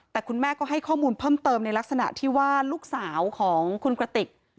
แต่คุณแม่ก็ให้ข้อมูลเพิ่มเติมในลักษณะที่ว่าลูกสาวของคุณกระติก